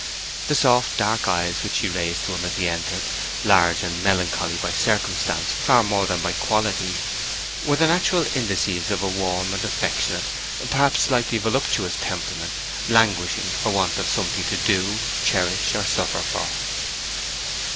The soft dark eyes which she raised to him as he entered large, and melancholy by circumstance far more than by quality were the natural indices of a warm and affectionate, perhaps slightly voluptuous temperament, languishing for want of something to do, cherish, or suffer for.